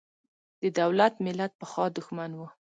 د دولت–ملت پخوا دښمن و.